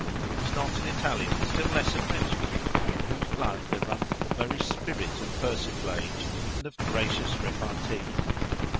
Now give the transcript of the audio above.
He was not an Italian, still less a Frenchman, in whose blood there runs the very spirit of persiflage and of gracious repartee.